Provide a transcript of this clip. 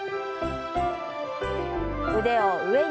腕を上に。